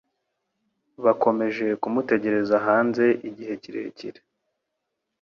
Bakomeje kumutegereza hanze igihe kirekire.